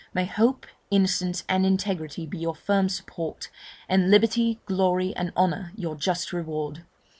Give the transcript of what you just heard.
may hope, innocence, and integrity be your firm support! and liberty, glory, and honour your just reward!